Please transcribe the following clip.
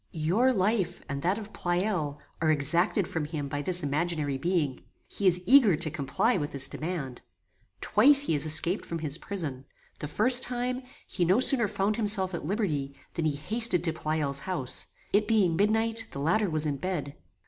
Your life, and that of Pleyel, are exacted from him by this imaginary being. He is eager to comply with this demand. Twice he has escaped from his prison. The first time, he no sooner found himself at liberty, than he hasted to Pleyel's house. It being midnight, the latter was in bed.